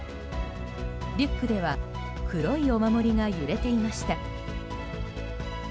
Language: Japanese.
リュックでは黒いお守りが揺れていました。